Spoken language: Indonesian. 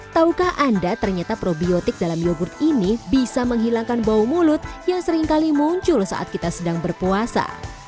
taukah anda ternyata probiotik dalam yogurt ini bisa menghilangkan bau mulut yang seringkali muncul saat kita sedang berpuasa